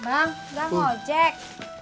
bang udah mau ojek